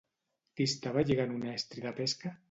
Qui estava lligant un estri de pesca?